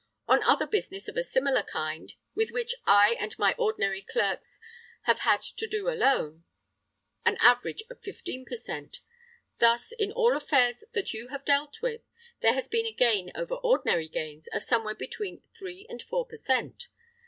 on other business of a similar kind, with which I and my ordinary clerks have had to do alone, an average of fifteen per cent. Thus, in all affairs that you have dealt with, there has been a gain over ordinary gains of somewhere between three and four per cent.